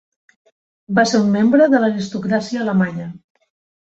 Va ser un membre de l'aristocràcia alemanya.